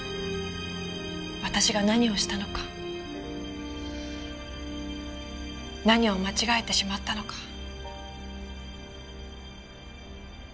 私が何をしたのか何を間違えてしまったのか。